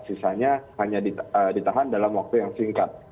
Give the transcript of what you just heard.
sisanya hanya ditahan dalam waktu yang singkat